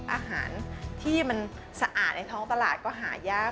อาหารที่มันสะอาดในท้องตลาดก็หายาก